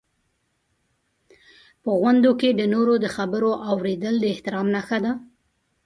په غونډو کې د نورو خبرو اورېدل د احترام نښه ده.